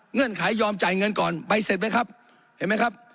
เงื่อนไขยอมจ่ายเงินก่อนใบเสร็จไหมครับเห็นไหมครับ